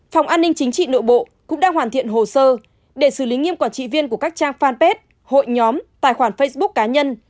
phòng an ninh chính trị nội bộ cũng đang hoàn thiện hồ sơ để xử lý nghiêm quản trị viên của các trang fanpage hội nhóm tài khoản facebook cá nhân